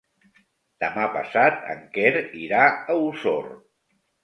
Demà passat en Quer irà a Osor.